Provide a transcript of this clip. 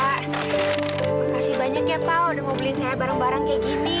makasih banyak ya pao udah mau beliin saya barang barang kayak gini